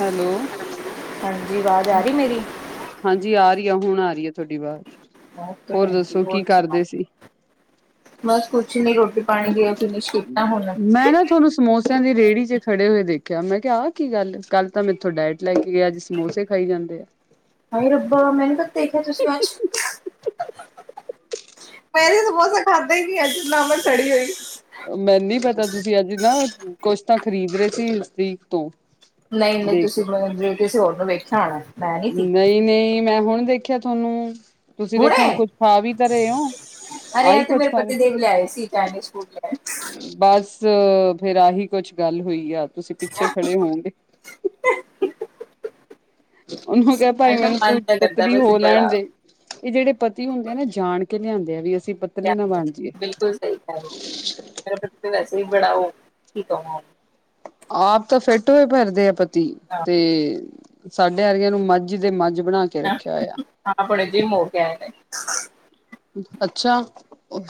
Hello. ਹਾਂਜੀ ਆਵਾਜ਼ ਆ ਰਹੀ ਮੇਰੀ? ਹਾਂਜੀ ਆ ਰਹੀ ਆ ਹੁਣ ਆ ਰਹੀ ਆ ਤੁਹਾਡੀ ਆਵਾਜ਼। ਓਕੇ ਹੋਰ ਭੈਣ ਜੀ ਦੱਸੋ ਕੀ ਸੁਣਾਓ ਕਰਦੇ ਸੀ? ਬਸ ਕੁਛ ਨਹੀਂ ਰੋਟ ਮੈਂ ਨਾ ਤੁਹਾਨੂੰ ਸਮੋਸਿਆਂ ਦੀ ਰੇਹੜੀ ਚ ਖੜੇ ਹੋਏ ਦੇਖ ਮੈਂ ਕਿਹਾ ਆ ਕੀ ਗੱਲ ਕੱਲ ਤਾਂ ਮੇਥੋਂ ਡਾਇਟ ਲੈ ਕੇ ਗਿਆ ਅੱਜ ਸਮੋਸੇ ਖਾਈ ਜਾਂਦੇ ਆ। ਹਾਈ ਰੱਬਾ ਮੈਨੂੰ ਕਿੱਥੇ ਦੇਖਿਆ ਤੁਸੀਂ ਅੱਜ? ਮੈਂ ਨਹੀਂ ਸਮੋਸਾ ਖਾ ਮੈਨੂੰ ਨਹੀਂ ਪਤਾ ਤੁਸੀਂ ਅੱਜ ਨਾ ਕੁਛ ਤਾਂ ਖਰੀਦ ਰਹੇ ਸੀ ਵੀਕ ਤੋਂ ਨਹੀਂ ਨਹੀਂ ਦੇਖ ਤੁਸੀਂ ਮੈਨੂੰ ਜੇ ਕਿਸੇ ਹੋਰ ਨੂੰ ਵੇਖਿਆ ਹੋਣਾ। ਮੈਂ ਨਹੀਂ ਸੀ ਨਹੀਂ-ਨਹੀਂ। ਮੈਂ ਹੁਣ ਦੇਖਿਆ ਤੁਹਾਨੂੰ ਤੁਸੀਂ ਦੇਖੋ ਹੁਣ ਹੁਣੇ ਕੁੱਛ ਖਾ ਵੀ ਘਰੇ ਓ ਅਰੇ ਇ ਤੇ ਮੇਰੇ ਪਤੀ ਦੇਵ ਲੈ ਆਏ ਸੀ [unintelligible] ਬਸ ਫੇਰ ਆਹੀ ਕੁਛ ਗੱਲ ਹੋਈ ਆ ਤੁਸੀਂ ਪਿੱਛੇ ਖੜੇ ਹੋਣਗੇ ਹੱ ਉਹਨੂੰ ਕਿਹਾ ਭਾਈ ਅੰਨਾ ਮੈਨੂੰ ਮਨ ਤੂੰ ਤਾਂ ਕਰਦਾ ਪਤਲੀ ਵੈਸੇ ਹੋ ਲੈਣ ਬੜਾ ਦੇ ਇਹ ਜਿਹੜੇ ਪਤੀ ਹੁੰਦੇ ਆ ਨਾ ਜਾਣ [inaudible] ਨਾ ਬਣ ਜੀਏ। ਬਿਲਕੁਲ ਸਹੀ ਕਿਹਾ ਬੜਾ ਉਹ ਕਿ ਕਵਾ ਆਪ ਤਾਂ ਫਿੱਟ ਹੋਏ ਫਿਰਦੇ ਆ ਤੀ ਹਾਂ ਤੇ ਸਾਡੇ ਵਰਗਿਆਂ ਨੂੰ ਮੱਝ ਦੇ ਮੱਝ ਬਣਾ ਕੇ ਰੱਖਿਆ ਹੋਇਆ। ਆਪਣੇ ਜੀ [unintelligible] ਨੇ ਹਾਂ ਅੱਛਾ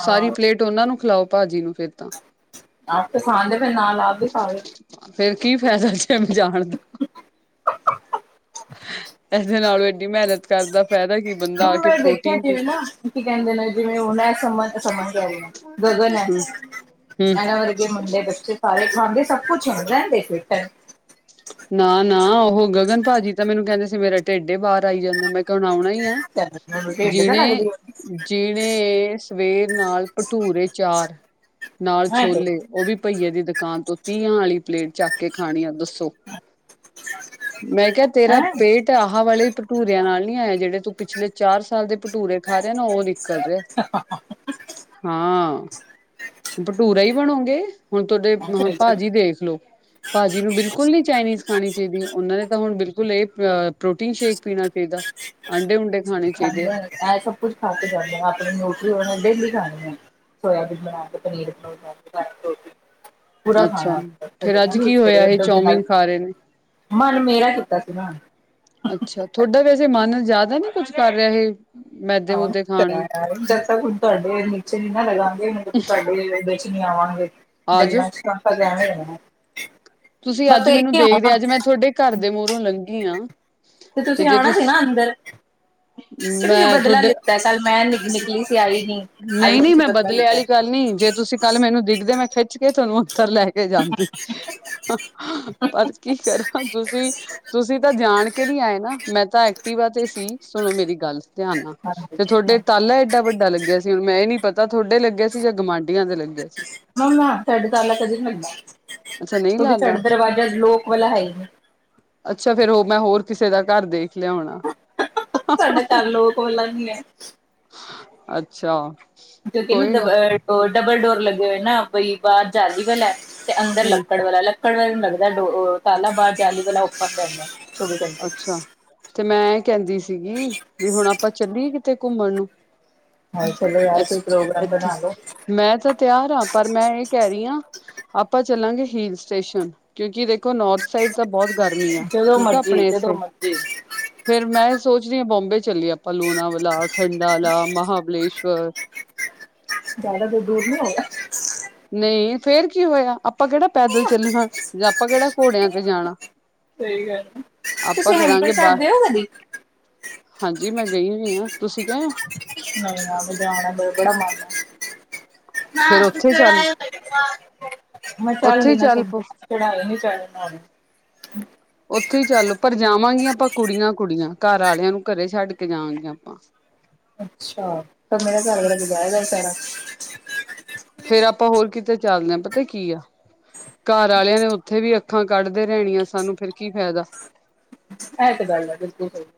ਸਾਰੀ ਪਲੇਟ ਉਹਨਾ ਨੂੰ ਖਿਲਾਓ ਭਾਜੀ ਨੂੰ ਫਿਰ ਤਾਂ ਆਪ ਪਸੰਦ ਨਾਲ ਆ ਵੀ ਖਾਵੇ ਫੇਰ ਕੀ ਫਾਇਦਾ ਜਿਮ ਜਾਣ ਦਾ ਇਹਦੇ ਨਾਲੋਂ ਇਡੀ ਮਿਹਨਤ ਕਰਦਾ ਫਾਇਦਾ ਕੀ ਬੰਦਾ ਆ ਹੁਣ ਕੇ ਮੈਂ ਦੇਖਿਆ ਪ੍ਰੋਟੀਨ ਜਿਵੇਂ ਪੀਂਦਾ ਨਾ ਕੀ ਕਹਿੰਦੇ ਨੇ ਜਿਵੇਂ ਉਹਨਾਂ ਸਮਨ ਗਗਨ ਹੈ ਹੂੰ। ਇਹਨਾਂ ਵਰਗੇ ਮੁੰਡੇ ਬੱਚੇ ਸਾਰੇ ਖਾਂਦੇ ਸਭ ਕੁਛ ਰਹਿੰਦੇ ਫਿੱਟ ਆ ਨਾ ਨਾ ਉਹ ਗਗਨ ਭਾਜੀ ਤਾਂ ਮੈਨੂੰ ਕਹਿੰਦੇ ਸੀ ਮੇਰਾ ਢਿੱਡ ਹੀ ਬਾਹਰ ਆਈ ਜਾਂਦਾ ਮੈਂ ਕਿਹਾ ਹੁਣ ਆਉਣਾ ਹੀ ਆ ਮੈਨੂੰ ਢਿੱਡ ਤਾਂ ਜਿਨੇ ਲੱਗਦੀ ਹੈ ਜਿਨੇ ਸਵੇਰ ਨਾਲ ਭਟੂਰੇ ਚਾਰ ਨਾਲ ਛੋਲੇ ਉਹ ਵੀ ਪਹੀਏ ਦੀ ਨ ਤੋਂ ਤੀਆਂ ਵਾਲੀ ਪਲੇਟ ਚੱਕ ਕੇ ਖਾਣੀ ਆ ਦੱਸੋ ਮੈਂ ਕਿਹਾ ਤੇਰਾ ਹੈਂ ਪੇਟ ਆਹ ਵਾਲੇ ਭਟੂਰਿਆਂ ਨਾਲ ਨੀ ਆਏ ਆ ਜਿਹੜੇ ਤੂੰ ਪਿਛਲੇ ਚਾਰ ਸਾਲ ਦੇ ਭਟੂਰੇ ਖਾ ਰਹੇ ਨਾ ਉਹ ਨਿਕਲ ਰਹੇ ਹਾਂ ਭਟੂਰਾ ਹੀ ਬਣੋਗੇ ਹੁਣ ਤੁਹਾਡੇ ਹੁਣ ਭਾਜੀ ਦੇਖ ਲਓ ਭਾਜੀ ਨੂੰ ਬਿਲਕੁਲ ਨੀ ਚਾਈਨੀਜ਼ ਖਾਣੀ ਚਾਹੀਦੀ ਉਹਨਾਂ ਨੇ ਤਾਂ ਹੁਣ ਬਿਲਕੁਲ ਇਹ ਪ੍ਰੋਟੀਨ ਸ਼ੇਕ ਪੀਣਾ ਚਾਹੀਦਾ ਆਂਡੇ ਆਂਡੇ ਊਡੇ ਖਾਂਦੇ ਇਹ ਸਭ ਕੁੱਝ ਖਾ ਕੇ ਜਾਂਦੇ ਆ ਆਪਣੇ ਨਿਊਟਰੀ ਉਹਨਾਂ ਨੇ ਡੇਲੀ ਸੋਇਬੀਨ ਬਣਾ ਪਨੀਰ ਬਣਾ ਪੂਰਾ ਅੱਛਾ ਖਾਣਾ ਫੇਰ ਅੱਜ ਕੀ ਹੋਇਆ ਸਵੇਰੇ ਇਹ ਦੁੱਧ ਨਾਲ ਚੌਮੀਨ ਖਾ ਰਹੇ ਨੇ ਮਨ ਮੇਰਾ ਕੀਤਾ ਸੀ ਨਾ ੇ ਮਨ ਜ਼ਿਆਦਾ ਨੀ ਕੁੱਛ ਕਰ ਰਿਹਾ ਇਹ ਮੈਦੇ ਹਹ ਮੂਦੇ ਖਾਣ ਨੂੰ ਜਦ ਤ ਹੁਣ ਤੁਹਾਡੇ ਨੀਚੇ ਨੀ ਨਾ ਲਗਾਾਂਗੇ ਮਤਲਬ ਕਿ ਤੁਹਾਡੇ ਨ ਆਵਾਂਗੇ ਆ ਜਾਓ ਗੱਲਾਂ ਚਫ਼ ਲਿਆ [inaudible] [inaudible] ਤੁਸੀਂ ਅੱਜ ਮੈਨੂੰ ਦੇਖਦੇ ਅੱਜ ਮੈਂ ਤੁਹਾਡੇ ਘਰ ਦੇ ਮੂਹਰੋਂ ਲੰਘੀ ਆਾਂ ਤੇ ਤੁਸੀਂ ਆਉਣਾ ਸੀ ਨਾ ਅੰਦਰ ਤੇ ਤੁਸੀਂ ਮੈਂ ਬਦਲਾ ਤੁਹਾਡੇ ਲਿੱਤਾ ਕੱਲ ਮੈਂ ਨ ਨਿਕਲੀ ਸੀ ਆਈ ਨ ਆਈ ਨਹੀਂ ਨਹੀਂ ਤੁਸੀਂ ਮੈਂ ਬਦਲਾ ਬਦਲੇ ਵਾਲੀ ਲਿੱਤਾ ਗੱਲ ਨੀ ਜੇ ਪੱਥਰ ਲੈ ਕੇ ਜਾਂਦੀ ਪਰ ਕੀ ਕਰਾਂ ਤੁਸੀਂ ਤੁਸੀਂ ਤਾਂ ਜਾਣ ਕੇ ਨੀ ਆਏ ਨਾ ਮੈਂ ਤਾਂ ਐਕਟਿਵਾ ਤੇ ਸੀ ਸੁਣੋ ਮੇਰੀ ਗੱਲ ਧਿਆਨ ਆ ਹਾਂਜੀ ਤੇ ਤੁਹਾਡੇ ਹਾਂਜੀ ਤਾਲਾ ਏਡਾ ਵੱਡਾ ਲੱਗਿਆ ਸੀ ਹੁਣ ਮੈਂ ਨੀ ਪਤਾ ਤਾਂ ਤੁਹਾਡੇ ਲੱਗੇ ਸੀ ਜਾਂ ਗੁਾਂਢੀਆਂ ਦੇ ਲੱਗੇ [inaudible] ਦਰਵਾਜ਼ਾ ਅੱਛਾ ਨਹੀਂ ਲੱਗਦਾ ਲੋਕ ਵਾਲਾ ਹੈ ਹੀ ਨਹੀਂ ਫੇਿਰ ਉਹ ਮੈਂ ਹੋਰ ਕਿਸੇ ਦਾ ਘਰ ਦੇ ਸਾਡਾ ਘਰ ਲੋਕ ਵਾਲਾ ਨਹੀਂ ਹੈ ਅੱਛਾ ਜੋ ਨਾ ਕੋਈ ਗੱਲ ਡਬਲ ਡੋਰ ਡਬਲ ਡੋਰ ਲੱਗੇ ਹੋਏ ਨਾ ਬਈ ਬਾਹਰ ਜਾਦੀ ਵ ਲੈ ਤੇ ਅੰਦਰ ਹੂੰ ਲੱਕੜ ਵਾਲਾ ਲੱਕੜ ਵਾਲ ਲੱਗਦਾ ਡੋ ਕਾਲਾ ਬਾਰ ਜਾਲਲੀ ਵਾਲਾ ਉੱਪਰ ਪੈਂਦਾ ਅੱਛਾ ਤੇ ਮੈਂ ਇਹ ਕਹਿੰਦੀ ਸੀਗੀ ਵੀ ਹੁਣ ਆਪਾਂ ਚੱਲੀ ਕਿਤੇ ਘੁੰਮਣ ਨੂੰ ਹਾਂ ਚਲੋ ਯਾਰ ਅੱ ਕੋਈ ਪ੍ਰੋਗਰਾਮ ਅੱਛਾ ਬਣਾ ਲੋ। ਮੈਂ ਤਾਂ ਤਿਆਰ ਹਾਂ ਪਰ ਮੈਂ ਇਹ ਕਹਿ ਰਹੀ ਹਾਂ ਆਪਾਂ ਚੱਲਾਂਗੇ ਹਲ ਸਟੇਸ਼ਨ ਕਿਉਂਕਿ ਦੇਖੋ ਨੋੌਰਥ ਸਾਈਡ ਤਾਂ ਬਹੁਤ ਗਰਮੀ ਆ ਜਦੋਂ ਠੀਕ ਮਰਜੀ ਆਪਣੇ ਜਦੋਂ ਇਸੇ ਮਰਜੀ ਫੇਰ ਮੈਂ ਸੋਚ ਰਹੀ ਹਾਂ ਬੋਬੇ ਚ ਚੱਲੀਏ ਆਪਾਂ ਲੂਣਾਵਾਲਾ ਖੰਡਾ ਮਹਾਬਲੇਸ਼ਵਰ ਜ਼ਿਆਦਾ ਦੇ ਦੂਰ ਨਹੀਂ ਹੋ ਨਹੀਂ ਫੇਰ ਕੀ ਹੋਇਆ ਆਪਾਂ ਕਿਹੜਾ ਪੈਦਲ ਚੱਲਣਾ ਜਾਂ ਆਪਾਂ ਕਿਹੜਾ ਘੋੜਿਆਂ ਤੇ ਜਾਣਾ ਸਹੀ ਗੱਲ ਹੈ ਆਪਾਂ ਤੁਸੀਂ ਕਰਾਂਗੇ ਹੈਮਕੁੰਟ ਬਾਹ ਸਾਹਿਬ ਗਏ ਹੋ ਕਦੀ ਹਾਂਜੀ ਮੈਂ ਗਈ ਹੋਈ ਹਾਂ ਤੁਸੀਂ ਗਏ ਹੋ ਨਹੀਂ ਨਾ ਮ ਜਾਨਾਂ ਜ ਬੜਾ ਮਨ ਆ ਫੇਰ [inaudible] ਉੱਥੇ ਚੱਲ ਉੱਥੇ ਹੀ ਚੱਲ ਪਓ ਉੱਥੇ ਹੀ ਚੱਲ ਪਰ ਜਾਵਾਂਗੀਆਂ ਆਪਾਂ ਕੁੜੀਆਂ ਕੁੜੀਆਂ ਘਰ ਵਾਲਿਆਂ ਨੂੰ ਘਰੇ ਛੱਡ ਕੇ ਜਾਣਗੇ ਆਪਾਂ ਅੱਛਾ ਪਰ ਮੇਰਾ ਘਰ ਵਾਲਾ ਜਾਏਗਾ ਪੇਨਾ ਫੇਰ ਆਪ ਆਪਾਂ ਹੋਰ ਕਿਤੇ ਚੱਲਦੇ ਹ ਪਤਾ ਕੀ ਆ ਘਰ ਆਲਿਆਂ ਨੇ ਉੱਥੇ ਵੀ ਅੱਖਾਂ ਕੱਢਦੇ ਰਹਿਣੀਆਂ ਸਾਨੂੰ ਫਿਰ ਕੀ ਫਾਇਦਾ ਇਹ ਤੇ ਗੱਲ ਹੈ ਬਿਲਕੁਲ ਸਹੀ ਗੱਲ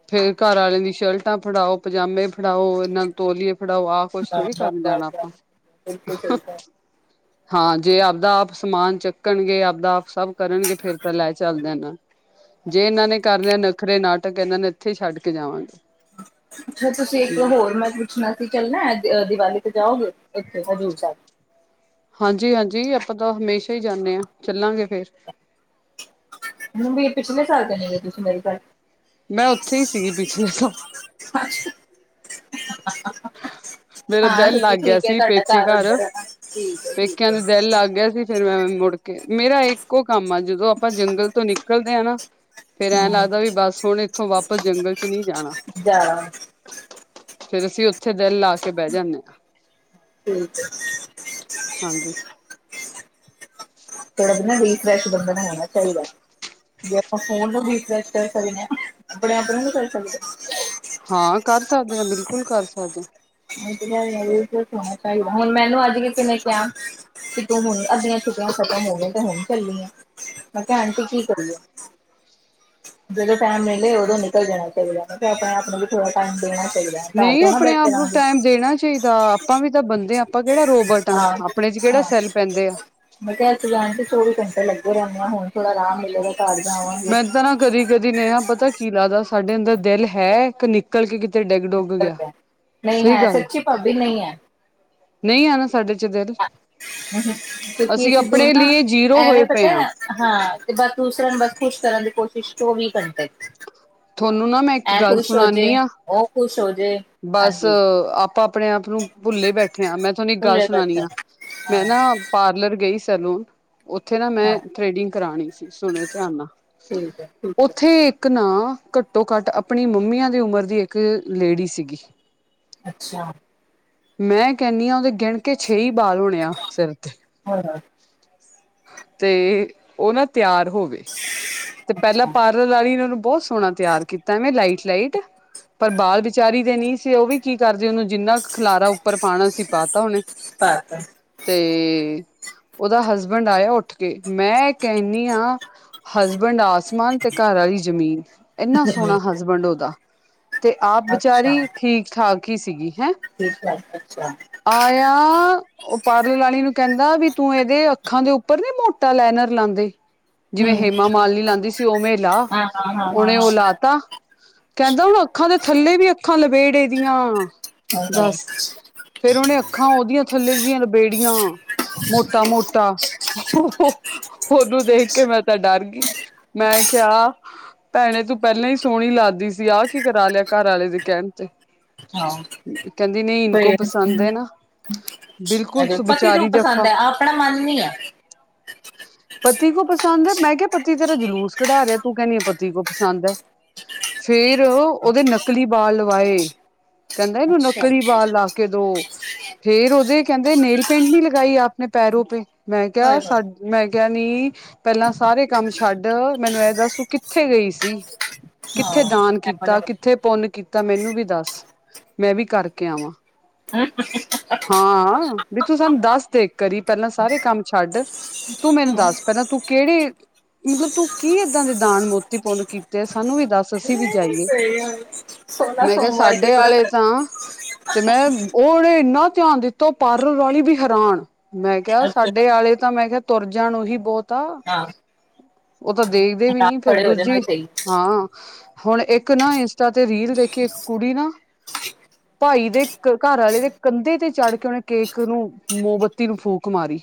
ਸ਼ਲਟਾਂ ਫੜਾਓ ਪਜਾਮੇ ਫੜਾਓ ਇਹਨਾਂ ਤੋਲੀਏ ਆਹ ਕੁਸ਼ ਥੋੜੀ ਕਰਨ ਜਾਣਾ ਆਪਾਂ ਕਾ ਹਾਂ ਜੇ ਆਪਦਾ ਆਪ ਸਮਾਨ ਚੱਕਣਗੇ ਆਪਦਾ ਆਪ ਸਭ ਕਰਨਗੇ ਫੇਰ ਤਾਂ ਲੈ ਚੱਲ ਜਾਣਾ ਜੇ ਇਹਨਾਂ ਨੇ ਕਰਨ ਨਖਰੇ ਨਾਟਕ ਇਹਨਾਂ ਨੇ ਇੱਥੇ ਹੀ ਛੱਡ ਕੇ ਜਾਵਾਂਗੇ ਅੱਛਾ ਤੁਸੀਂ ਇੱਕ ਹੋਰ ਮੈਂ ਪੁੱਛਣਾ ਸੀ ਚੱਲਣਾ ਦੀਵਾਲੀ ਜਾਓਗੇ ਇੱਥੇ ਹਜ਼ੂਰ ਸਾਹਿ ਹਾਂਜੀ ਹਾਂਜੀ ਆਪਾਂ ਤਾਂ ਹਮੇਸ਼ਾ ਹੀ ਜਾਂਦੇ ਹਾਂ ਚੱਲਾਂਗੇ ਫੇਰ ਹੁਣ ਵੀ ਪਿਛਲੇ ਦੇ ਤੁਸੀਂ ਮੇਰੀ ਗੱਲ ਮੈਂ ਉੱਥੇ ਹੀ ਸੀਗੀ ਪਿਛਲੇ ਤੋਂ [inaudible] ਮੇਰਾ ਹਾਂ ਦਿਲ ਸੱਚੀ ਲੱਗ ਗਿਆ ਠੀਕ ਹੈ ਸੀ ਤੁਹਾਡਾ ਪੇਕੇ ਘਰ ਉੱਧਰ ਹੈ ਨਾ ਠੀਕ ਹੈ ਠੀਕ ਪੇਕਿਆਂ ਹੈ। ਦੇ ਦਿਲ ਲੱਗ ਗਿਆ ਸੀ ਫੇਿਰ ਮੈਂ ਮੁੜ ਕੇ ਮੇਰਾ ਇੱਕੋ ਕੰਮ ਆ ਜਦੋਂ ਆਪਾਂ ਜੰਗਲ ਤੋਂ ਨਿਕਲਦੇ ਹਾਂ ਨਾ ਫੇਰ ਐਂ ਲੱਗਦਾ ਵੀ ਬਸ ਹੁਣ ਇੱਥੋਂ ਵਾਪ ਵਾਪਸ ਜੰਗਲ ਚ ਨਹੀਂ ਜਾਣਾ ਫਿਰ ਅਸੀ ਇੱਥੇ ਦਿਲ ਲਾ ਕੇ ਬਹਿ ਜਾਂਦੇ ਆ ਠੀਕ ਹਾਂਜੀ ਧੋੜਾ ਨਾ ਰਿਫਰੈਸ਼ ਬੰਦੇ ਨੂ ਹੋਨਾ ਚਾਹੀਦਾ ਹੈ, ਜੇ ਆਪਾ ਫੋਨ ਨੂ ਰਿਫਰੈਸ਼ ਕਰ ਸਕਦੇ ਹਾ, ਆਪਣੇ ਆਪ ਨੂੰ ਨੀ ਕਰ ਸਕਦੇ ਹਾਂ ਕਰ ਸਕਦੇ ਹ ਬਿਲਕੁਲ ਕਰ ਸਕਦੇ ਹੋ [inaudible] ਹੋਣਾ ਚਾਹੀਦਾ ਹੁਣ ਮੈਨੂੰ ਅੱਜ ਕਿਨੇ ਕਿਹਾ ਕਿ ਤੂ ਹੁਣ ਅੱਧੀਆਂ ਛੁਗੀਆਂ ਖ਼ਤਮ ਹੋ ਗ ਤਾਂ ਹੁਣ ਚੱਲੀ ਆ ਮੈ ਕਿਹਾ ਆਂਟੀ ਕੀ ਕਰੀਐ। ਜਦੋਂ ਟਾਈਮ ਮਿਲੇ ਉਦੋਂ ਨਿਕਲ ਜਾਣਾ ਚਾਹੀਦਾ ਪਤਾ ਹੇ, ਆਪਣੇ ਆਪ ਨੂੰ ਵੀ ਥੋੜਾ ਟਾਈਮ ਦੇਣਾ। ਚਾਹਿਦਾ ਹੇ, ਘਰ ਨਹੀਂ ਧੋਣੀ ਆਪਣੇ ਆਪ ਬੈਠੇ ਨੂੰ ਰਾਂਗੇ, ਟਾਈਮ ਦੇਣਾ ਚਾਹੀਦਾ ਆਪਾਂ ਵੀ ਤਾਂ ਬੰਦੇ ਹਾਂ ਆਪਾਂ ਕਿਹੜਾ ਰੋਬਟ ਹਾਂ, ਆਪਣੇ ਚ ਕਿਹੜਾ ਸੈੱਲ ਪੈਂਦੇ ਆ ਮੈਂ ਕਿਹਾ ਇੰਤਜਾਰ ਤੇ ਚੌਵੀ ਘੰਟੇ ਲੱਗੇ। ਹੁਣ ਥੋੜਾ ਆਰਾਮ ਮਿਲੇਗਾ। ਘਰ ਜਾਵਾਂਗੇ। ਕਦੀ-ਕਦੀ, ਨੇਹਾ ਪਤਾ ਕੀ ਲੱਗਦਾ ਸਾਡੇ ਅੰਦਰ ਦਿਲ ਹੈ ਕੇ ਨਿਕਲ ਗ ਨਹੀਂ ਹੈ ਗੱਲ ਸੱਚੀ ਭਾਬੀ ਨਹੀਂ ਹੈ। ਨਹੀਂ ਆ ਨਾ, ਸਾਡੇ ਚ ਦਿਲ ਕਿਉਂਕਿ ਅਸੀਂ ਦੋ ਆਪਣੇ ਨਾ ਲਈ ਜੀਰੋ ਐਵੇਂ ਹੋਏ ਪਤਾ ਪਏ ਹਾਂ ਹਾਂ ਤੇ ਬਸ ਦੂਸਰਿਆਂ ਨੂੰ ਬਸ ਖੁਸ਼ ਕਰਨ ਦੇ ਕੋਸ਼ਿਸ਼ ਚੌਵੀ ਘੰਟੇ ਤੁਹਾਨੂੰ ਨਾ ਮੈਂ ਇੱਕ ਐ ਗੱਲ ਖੁਸ਼ ਹੋ ਸੁਣਾਨੀ ਜੇ ਆਂ। ਉਹ ਖੁਸ਼ ਹੋ ਜੇ ਬਸ ਹਾਂਜੀ ਆਪਾਂ ਆਪਣੇ ਆਪ ਨੂੰ ਭੁੱਲੇ ਬੈਠੇ ਹਾਂ ਮੈਂ ਤੁਹਾਨੂੰ ਇੱਕ ਗੱਲ ਖੁੱਲੇ ਸੁਣਾਨੀ ਆ ਬਰਤਨ ਹਾਂ ਮੈਂ ਨਾ ਪਾਰਲਰ ਗਈ। ਚਲੋ। ਉੱਥੇ ਨਾ ਮੈਂ ਹਾਂ ਥ੍ਰਡਿੰਗ ਕਰਾਣੀ ਸੀ ਸੁਣੋ ਧਿਆਨ ਨਾਲ ਠੀਕ ਹੈ ਠੀਕ ਹੈ ਉੱਥੇ ਨ ਘੱਟੋ ਘੱਟ ਆਪਣੀ ਮੰਮੀਆਂ ਦੀ ਉਮਰ ਦੀ ਇੱਕ ਲੇਡੀ ਸੀਗੀ। [unintelligible] ਅੱਛਾ। ਮੈਂ ਕਹਿੰਦੀ ਹਾਂ ਉਹਦੇ ਗਿਣਕੇ ਛੇ ਬਾਲ ਹੋਣੇ ਆ ਸਿਰ ਤੇ। ਹੋਰ ਤੇ ਉਹ ਨਾ ਤਿਆਰ ਹੋਵੇ। ਤੇ ਪਹਿਲਾਂ ਅੱਛਾ ਪਾਰਲਰ ਵਾਲੀ ਇਹਨਾਂ ਨੂੰ ਬਹੁਤ ਸੋਹਣਾ ਤਿਆਰ ਕੀਤਾ ਐਵੇਂ ਲਾਈਟ ਲਾਈਟ ਪਰ ਬਾਲ ਵਿਚਾਰੀ ਤੇ ਨਹੀਂ ਸੀ ਉਹ ਵੀ ਕੀ ਕਰਦੇ ਉਹਨੂੰ ਜਿੰਨਾ ਖਲਾਰਾ ਉੱਪਰ ਪਾਣਾ ਸੀਸੀ ਪਾ ਤਾ ਉਹਨੇ ਪਾਤਾ ਤੇ ਉਹਦਾ ਹਸਬੈਂਡ ਆਇਆ ਉੱਠ ਕੇ ਮੈਂ ਕਹਿੰਨੀ ਹਾਂ। ਹਸਬੈਂਡ ਆਸਮਾਨ ਤੇ ਘਰ ਵਾਲੀ ਜ਼ਮੀਨ ਇੰਨਾ ਸੋਹਣਾ ਹਸਬੈਂਡ ਉਹਦਾ। ਤੇ ਆਪ ਅੱਛਾ ਵਿਚਾਰੀ ਠੀਕ-ਠਾਕ। ਈ ਸੀਗੀ। ਹੈਂ ਠੀਕ ਹੈ ਅੱਛਾ ਆਇਆ। ਉਹ ਪਾਰਲ ਵਾਲੀ ਨੂੰ ਕਹਿੰਦਾ ਵੀ ਤੂੰ ਇਹਦੇ ਅੱਖਾਂ ਦੇ ਉੱਪਰ ਨੀ ਮੋਟਾ ਲੈਨਰ ਲਾਦੇ। ਜਿਵੇਂ ਹਮ ਹ ਹੇਮਾਮਾਲਨੀ ਲਾਦੀ ਸੀ ਉਮੇ ਲਾ ਹਾਂ ਹਾਂ ਹਾਂ ਉਹ ਓਨੇ ਹਾਂ ਉਹ ਲਾਤਾ ਕਹਿੰਦਾ ਹੁਣ ਅੱਖਾਂ ਦੇ ਥੱਲੇ ਵੀ ਅੱਖਾਂ ਲਬੇੜੇ ਐਦੀਆਂ। [unintelligible] ਫ਼ੇਰ ਉਹਨੇ ਅੱਖਾਂ ਉਹਦੀਆਂ ਥੱਲੇ ਦੀਆਂ ਲਬੇੜੀਆਂ ਮੋਟਾ ਮੋਟਾ ਉਹਨੂੰ ਦੇਖ ਕੇ ਮੈਂ ਤਾਂ ਡਰ ਗੀ। ਮੈਂ ਕਿਹਾ ਭੈਣੇ ਤੂੰ ਪਹਿਲਾਂ ਹੀ ਸੋਹਣੀ ਲੱਗਦੀ ਸੀ ਆਹ ਕੀ ਕਰਾ ਲਿਆ ਘਰ ਆਲੇ ਦੇ ਕਹਿਣ ਤੇ। ਹਾਂ ਕਹਿੰਦੀ ਨਹੀਂ ਇਨਕੋ ਪਸੰਦ ਹੈ ਨਾ ਬਿਲਕੁਲ [unintelligible] ਪਤੀ ਨੂੰ ਸੁਬਿਚਾਰੀ ਜੱਫਾ ਪਸੰਦ ਹੈ ਆਪਣਾ ਮਨ ਨੀ ਹੈ ਪਤੀ ਕੋ ਪਸੰਦ ਹੈ ਮੈਂ ਕਿਹਾ ਪਤੀ ਤੇਰਾ ਜਲੂਸ ਕਢਾ ਰਿਹਾ ਤੂੰ ਕਹਣੀ ਹੈ ਪਤੀ ਕੋ ਪਸੰਦ ਹੈ ਫੇਰ ਉਹਦੇ ਨਕਲੀ ਬਾਲ ਲਵਾਏ ਕਹਿੰਦਾ ਇਹਨੂੰ ਅੱਛਾ ਨੱਕਲੀ ਬਾਲ ਲਾ ਕੇ ਦੋ। ਫੇਰ ਉਹਦੇ ਕਹਿੰਦੇ ਨੇਲ ਪੇਂਟ ਨੀ ਲਗਾਈ ਆਪ ਨੇ ਪੈਰੋ ਪੇ। ਮੈਂ ਕਿਹਾ ਹੋਏ ਹੋਏ [unintelligible] ਮੈਂ ਕਿਹਾ [unintelligible] ਪਹਿਲਾਂ ਸਾਰੇ ਕੰਮ ਛੱਡ ਮੈਨੂੰ ਇਹ ਦੱਸ ਤੂੰ ਕਿੱਥੇ ਗਈ ਸੀ। ਹਾਂ ਕਿੱਥੇ ਦਾਨ ਇਹੋ ਕੀਤਾ ਜਿਹਾ ਕਿੱਥੇ ਪੁੰਨ ਕੀਤਾ ਮੈਨੂੰ ਵੀ ਦੱਸ ਮੈਂ ਵੀ ਕਰਕੇ ਆਵਾਂ। ਹਾਂ [unintelligible] ਵੀ ਤੂੰ ਸਾਨੂੰ ਦੱਸ ਦੇ ਏਕ ਵਾਰੀ ਕਰੀ ਪਹਿਲਾਂ ਸਾਰੇ ਕੰਮ ਛੱਡ ਤੂੰ ਮੈਨੂੰ ਦੱਸ ਪਹਿਲਾਂ ਤੂੰ ਕੇਹੜੇ ਮਤਲਬ ਤੂੰ ਕੀ ਏਦਾਂ ਦੇ ਦਾਨ ਮੋਤੀ ਪੁੰਨ ਕੀਤੇ ਸਾਨੂੰ ਵੀ ਦੱਸ ਅਸੀਂ ਵੀ ਜਾਈਏ ਸਹੀ ਸੋਲਾਂ ਮੈਂ ਕਿਹਾ ਸੋਮਵਾਰ ਕੇ ਸਾਡੇ ਵਰਤ ਆਲੇ ਰੱਖਦੇ ਤਾਂ ਤੇ ਮੈਂ [unintelligible] ਇੰਨਾ ਧਿਆਨ ਦਿੱਤਾ ਓਹ ਪਾਰਲਰ ਵਾਲੀ ਵੀ ਹੈਰਾਨ। ਮੈਂ ਕਿਹਾ ਅੱਛਾ ਸਾਡੇ ਆਲੇ ਤਾਂ ਮੈਂ ਕਿਹਾ ਤੁਰ ਜਾਣ ਓਹੀ ਬਹੁਤ। ਹਾਂ [unintelligible] ਤਾਂ ਵੇਖਦੇ ਵੀ ਨਾਲ ਨੀ ਫੇਰ ਖੜੇ ਹੋ ਜਾਣ ਉਹੀ ਦੂਜੀ ਸਹੀ ਹਾਂ। ਹੁਣ ਇੱਕ ਨਾ ਇੰਸਟਾ ਤੇ ਰੀਲ ਵੇਖੀ ਇੱਕ ਕੁੜੀ ਨਾ ਭਾਈ ਦੇ ਘਰ ਵਾਲੇ ਦੇ ਕੰਧੇ ਤੇ ਚੜ੍ਹ ਕੇ ਉਹਨੇ ਕੇਕ ਨੂੰ ਮੋਮਬੱਤੀ ਨੂੰ ਫੂਕ ਮਾਰੀ।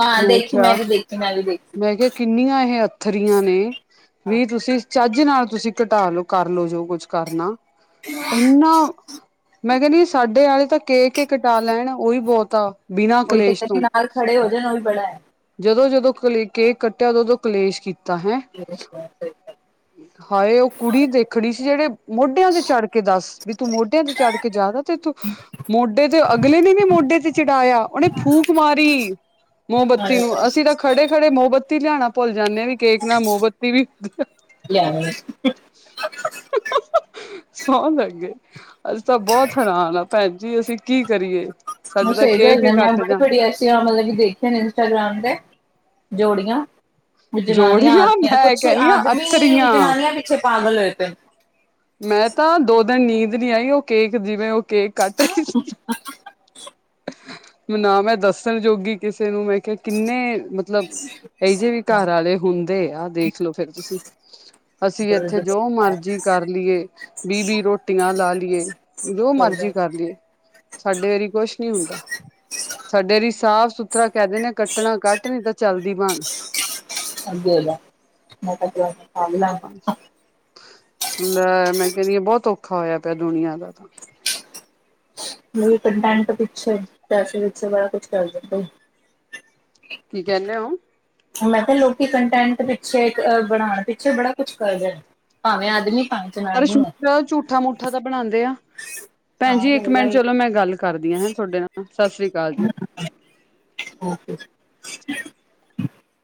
ਹਾਂ ਦੇਖ ਮੈਂ ਵੀ ਦੇਖੀ ਮੈਂ ਵੀ ਦੇਖੀ। ਇੰਨੀਆਂ ਇਹ ਅੱਥਰੀਆਂ ਨੇ ਵੀ ਤੁਸੀਂ ਚੱਜ ਨਾਲ ਤੁਸੀਂ ਘਟਾ ਲੋੋ ਕਰ ਲੋ ਜੋ ਕੁੱਝ ਕਰਨਾ ਇੰਨਾ ਮੈਂ ਕਹਣੀ ਆ ਸਾਡੇ ਆਲੇ ਤਾਂ ਕੇਕ ਈ ਕਟਾ ਲੈਣ ਉਹੀ ਬਹੁਤਾ ਆ। ਬਿਨਾਂ ਉਹੀ ਤੇ ਕਲੇਸ਼ ਕਦੇ ਤੋਂ ਨਾਲ ਖੜੇ ਹੋ ਜਾਣ ਉ ਵੀ ਬੜਾ ਹੈ। ਜਦੋਂ ਜਦੋਂ ਕਲੇ ਕੇਕ ਕੱਟਿਆ ਉਦੋਂ ਉਦੋਂ ਕਲੇਸ਼ ਕੀਤਾ। ਤਾ ਹੈਂ ਹਾਏ ਉਹ ਕੁੜੀ ਦੇਖਣੀ ਸੀ ਜਿਹੜੇ ਮੋਢਿਆਂ ਤੇ ਚੜ੍ਹ ਕੇ ਦੱਸ ਵੀ ਤੂੰ ਮੋਢਿਆਂ ਤੇ ਚੜ ਕੇ ਜਾਦਾ ਤੇ ਤੂੰ ਮੋਢੇ ਤੇ ਅਗਲੇ ਨੇ ਵੀ ਮੋਢੇ ਤੇ ਚੜਾਇਆ ਉਹਨੇ ਫੂਕ ਮਾਰੀ ਮੋਮਬੱਤੀ [unintelligible] ਅਸੀਂ ਤਾਂ ਖੜੇ ਖੜੇ ਮੋਮਬੱਤੀ ਲਿਆਣਾ ਭੁੱਲ ਜਾਣੇ ਆ ਵੀ ਕੇਕ ਨਾਲ ਮੋਮਬੱਤੀ ਵੀ [unintelligible] ਸੌਂ ਲੱਗੇ ਅਸੀ ਤਾਂ ਬਹੁਤ ਹੈਰਾਨ ਆ ਭੈਣ ਜੀ ਅਸੀਂ ਕੀ ਕਰੀਏ। ਹ ਸਾਡੇ ਤਾਂ ਸਹੀ ਕੇਕ ਗੱਲ ਹੀ ਹੈ ਮੈਂ ਕੱਟ ਬੜੀ ਜਾ ਬੜੀ ਐਸੀਆਂ ਮਤਲਬ ਕਿ ਦੇਖੇ ਨੇ [unintelligible] [unintelligible] ਜੋੜੀਆਂ। ਜਨਾਨੀਆਂ ਜੋੜੀਆਂ ਆਦਮੀਆਂ ਮੈਂ ਕੁਛ ਕਹਿੰਦੀ ਹਾਂ ਆਦਮੀ ਅੱਥਰੀਆਂ ਜਨਾਨੀਆਂ ਪਿੱਛੇ ਪਾਗਲ ਹੋਏ ਪਏ ਮੈਂ ਤਾਂ ਦੋ ਦਿਨ ਨੀਂਦ ਨੀ ਆਈ ਉਹ ਕੇਕ ਜਿਵੇਂ ਉਹ ਕੇਕੇ ਕੱਟ ਰਹੇ ਸੀ। ਨਾ ਮੈਂ ਦੱਸਣ ਜੋਗੀ ਕਿਸੇ ਨੂੰ ਮੈਂ ਕਿ ਕਿੰਨੇ ਮਤਲਬ ਇਹ ਜਿਹੇ ਵੀ ਘਰ ਆਲੇ ਵੀ ਹੁੰਦੇ ਆ ਦੇਖਲੋ ਫੇਰ ਤੁਸੀਂ। [unintelligible] ਅਸੀਂ ਇੱਥੇ ਜੋ ਮਰਜ਼ੀ ਕਰ ਲਈਏ ਵੀਹ ਵੀਹ ਰੋਟੀਆਂ ਲਾ ਲਈਏ। [unintelligible] ਜੋ ਮਰਜੀ ਕਰ ਲਈਏ ਸਾਡੇ ਵਾਰੀ ਕੁਛ ਨਹੀਂ ਹੁੰਦਾ ਸਾਡੇ ਲਈ ਸਾਫ ਸੁਥਰਾ ਕਹਿ ਦਿੰਦੇ ਕੱਟਣਾ ਕੱਟ ਨਹੀਂ ਤਾਂ ਚਲਦੀ ਬਣ [unintelligible] [unintelligible] ਲੈ ਮੈਂ ਕਹਿਣੀ ਆ ਬਹੁਤ ਔਖਾ ਹੋਇਆ ਪਿਆ ਦੁਨੀਆਂ ਦਾ ਤਾਂ। ਕੰਟੈਂਟ ਤੋਂ ਪਿੱਛੇ ਪੈਸੇ ਪਿੱਛੇ ਬੜਾ ਕੁਛ ਕਰ ਦਿੰਦੇ ਕੀ ਕਹਿੰਨੇ ਓ ਮੈਂ ਕਿਹਾ ਲੋਕੀ ਕੰਟੈਂਟ ਪਿੱਛੇ ਬਣਾਉਣ ਪਿੱਛੇ ਬੜਾ ਕੁਛ ਕਰ ਜਾਣ ਪਰ ਝੂਠਾ ਮੂਠਾ ਤਾਂ ਬਣਾਂਦੇ ਆ ਭੈਣ ਹਾਂ ਜੀ ਇੱਕ ਸਹੀ ਮਿੰਟ ਗੱਲ ਚਲੋ ਮੈਂ ਗੱਲ ਕਰਦੀਆਂ ਹੈ ਤੁਹਾਡੇ ਨਾਲ ਸਤਿ ਸ੍ਰੀ ਅਕਾਲ ਜੀ। [unintelligible]